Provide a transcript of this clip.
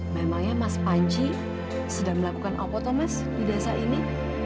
memang ya mas panci sedang melakukan apa thomas di desa ini